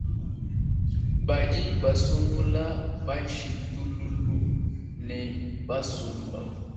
Badi basungula, bashintulule ne basumba.